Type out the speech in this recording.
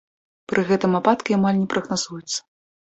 Пры гэтым ападкі амаль не прагназуюцца.